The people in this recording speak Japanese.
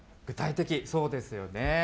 具体的、そうですよね。